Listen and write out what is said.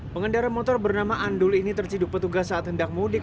pengendara motor bernama andul ini terciduk petugas saat hendak mudik